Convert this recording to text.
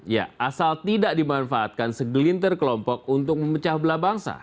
ya asal tidak dimanfaatkan segelintir kelompok untuk memecah belah bangsa